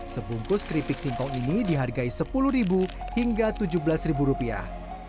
sebungkus keripik singkong ini dihargai sepuluh hingga tujuh belas rupiah